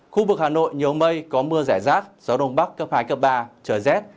khu vực hà nội nhiều mây có mưa rải rác gió đông bắc cấp hai cấp ba trời rét